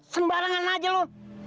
sembarangan aja lo